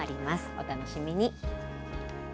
お楽しみに。